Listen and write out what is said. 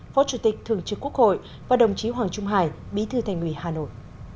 phó chủ tịch thường trực quốc hội và đồng chí hoàng trung hải bí thư thành ủy hà nội